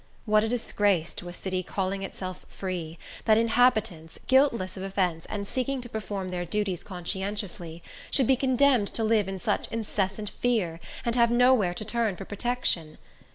What a disgrace to a city calling itself free, that inhabitants, guiltless of offence, and seeking to perform their duties conscientiously, should be condemned to live in such incessant fear, and have nowhere to turn for protection!